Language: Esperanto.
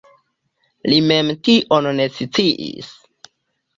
Li mem tion ne sciis.